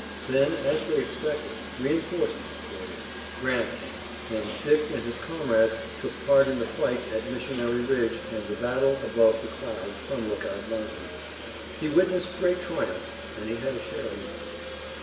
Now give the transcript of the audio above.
Then, as they expected, reinforcements poured in. Grant came, and Dick and his comrades took part in the fight at Missionary Ridge and the battle "above the clouds" on Lookout Mountain. He witnessed great triumphs and he had a share in them.